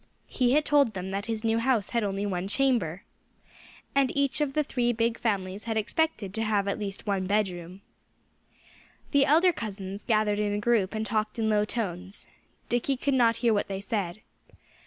He had told them that his new house had only one chamber. And each of the three big families had expected to have at least one bedroom. The elder cousins gathered in a group and talked in low tones. Dickie could not hear what they said.